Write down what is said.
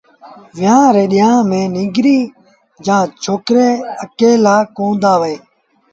ويهآݩ ري ڏيݩهآݩ ميݩ ننگريٚ جآݩ ڇوڪرو اڪيلآ ڪوندآ وهيݩ